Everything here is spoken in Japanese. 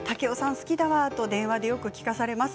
好きだわと電話でよく聞かされます。